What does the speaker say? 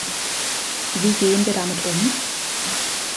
Wie gehen wir damit um?